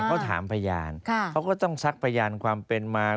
เขาถามพยานเขาก็ต้องซักพยานความเป็นมา